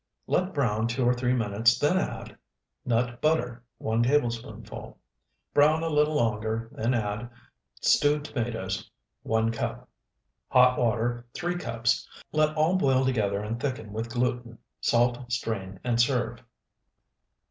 Let brown two or three minutes, then add Nut butter, 1 tablespoonful. Brown a little longer, then add Stewed tomatoes, 1 cup. Hot water, 3 cups. Let all boil together and thicken with gluten; salt, strain, and serve.